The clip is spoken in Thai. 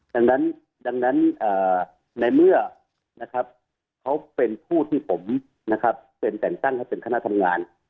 ดังนั้นในเมื่อเขาเป็นผู้ที่ผมเป็นแต่งตั้งให้เป็นคณะทำงาน